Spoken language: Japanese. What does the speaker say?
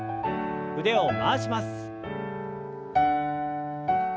腕を回します。